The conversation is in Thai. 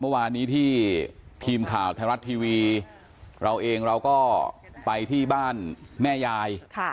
เมื่อวานนี้ที่ทีมข่าวไทยรัฐทีวีเราเองเราก็ไปที่บ้านแม่ยาย